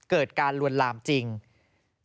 แต่คนที่ทำคนที่ลวลลามไม่ใช่ตัวนายเล่าย่าง